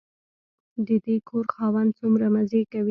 د دې کور خاوند څومره مزې کوي.